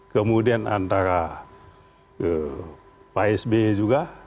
kemudian antara pak sby juga